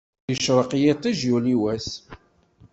Yecṛeq yiṭṭij yuli wass.